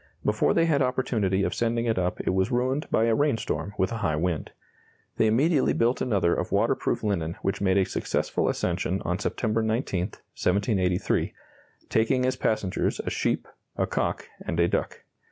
Before they had opportunity of sending it up it was ruined by a rainstorm with a high wind. They immediately built another of waterproof linen which made a successful ascension on September 19, 1783, taking as passengers a sheep, a cock, and a duck.